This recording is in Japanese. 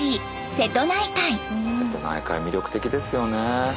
瀬戸内海魅力的ですよね。